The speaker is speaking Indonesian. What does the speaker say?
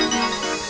harapan buat kamu